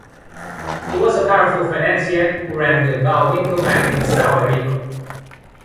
He was a powerful financier who ran the Bohlwinkel bank in Sao Rico.